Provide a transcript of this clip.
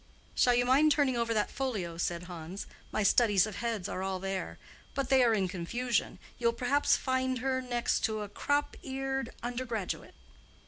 "Shall you mind turning over that folio?" said Hans. "My studies of heads are all there. But they are in confusion. You will perhaps find her next to a crop eared undergraduate."